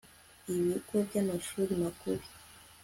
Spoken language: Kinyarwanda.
i ibigo by amashuri makuru